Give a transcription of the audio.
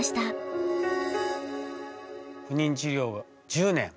不妊治療が１０年。